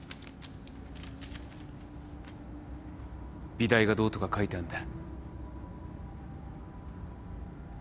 美大がどうとか書いてあんだ。